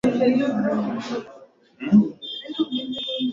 kupinga au kusherehekea uwamuzi huo